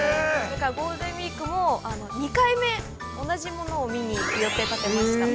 ゴールデンウイークも２回目、同じものを見に行く予定を立てました。